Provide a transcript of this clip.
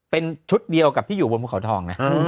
เป็นชุดเดียวกับที่อยู่บนภูเขาทองนะ